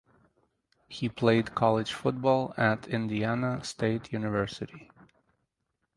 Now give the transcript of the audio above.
He played college football at Indiana State University.